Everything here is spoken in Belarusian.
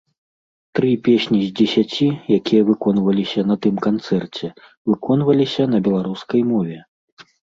Тры песні з дзесяці, якія выконваліся на тым канцэрце, выконваліся на беларускай мове!